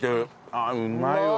ああうまいわ。